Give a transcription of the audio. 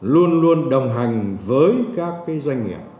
luôn luôn đồng hành với các doanh nghiệp